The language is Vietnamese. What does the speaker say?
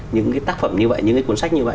những tác phẩm như vậy những cuốn sách như vậy